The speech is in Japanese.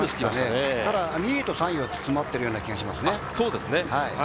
ただ２位と３位は詰まっている気がします。